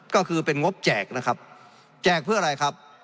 ก็คือเป็นงบแจกนะครับแจกเพื่ออะไรครับ